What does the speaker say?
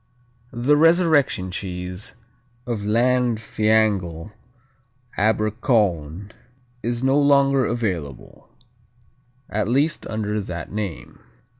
"The 'Resurrection Cheese' of Llanfihangel Abercowyn is no longer available, at least under that name.